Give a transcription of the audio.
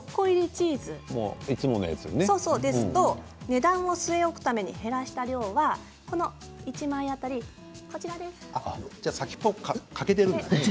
値段を据え置くために減らした量は１個当たりこちらです。